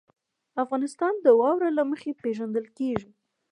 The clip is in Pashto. افغانستان د واوره له مخې پېژندل کېږي.